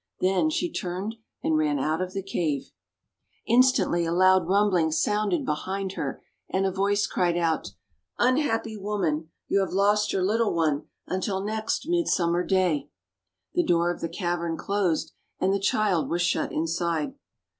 Then she turned and ran out of the cave. 200 THE WONDER GARDEN Instantly a loud rumbling sounded behind her, and a voice cried out : 4 Unhappy Woman ! You have lost your little one until next Midsummer Day." The door of the cavern closed, and the child was shut inside.